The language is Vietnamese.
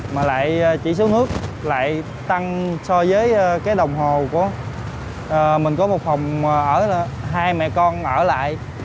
mà lại chỉ số nước lại tăng so với cái đồng hồ của mình có một phòng ở hai mẹ con ở lại